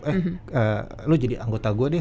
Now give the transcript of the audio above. eh lo jadi anggota gue deh